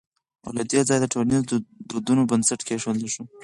او له دې ځايه د ټولنيزو دودونو بنسټ کېښودل شو